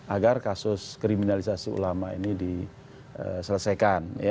agar kasus kriminalisasi ulama ini diselesaikan